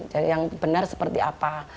jadi yang benar seperti apa